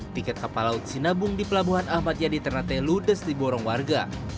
tiket kapal laut sinabung di pelabuhan ahmad yadi ternate ludes di borong warga